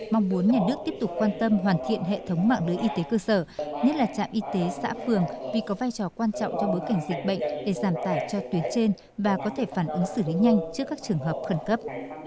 mong muốn nhà nước tiếp tục quan tâm hoàn thiện hệ thống mạng lưới y tế cơ sở nhất là trạm y tế xã phường vì có vai trò quan trọng trong bối cảnh dịch bệnh để giảm tải cho tuyến trên và có thể phản ứng xử lý nhanh trước các trường hợp khẩn cấp